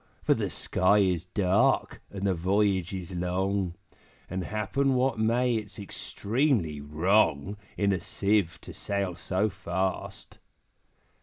For the sky is dark, and the voyage is long, And happen what may, it's extremely wrong In a Sieve to sail so fast!'